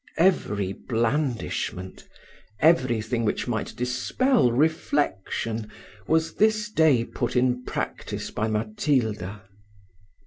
Every blandishment every thing which might dispel reflection, was this day put in practice by Matilda.